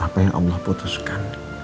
apa yang allah putuskan